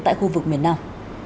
tại khu vực miền nam